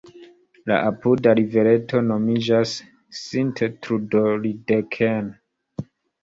La apuda rivereto nomiĝas "Sint-Trudoledeken".